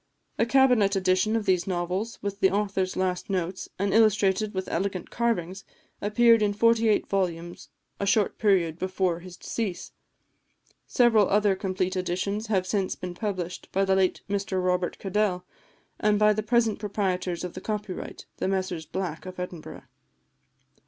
A cabinet edition of these novels, with the author's last notes, and illustrated with elegant engravings, appeared in forty eight volumes a short period before his decease; several other complete editions have since been published by the late Mr Robert Cadell, and by the present proprietors of the copyright, the Messrs Black of Edinburgh.